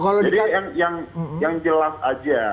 jadi yang jelas aja